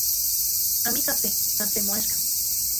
Amitlaj okse, san tlen moaxka.